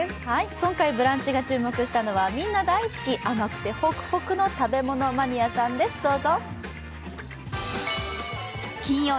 今回「ブランチ」が注目したのはみんな大好き甘くてホクホクの食べ物マニアさんです、どうぞ。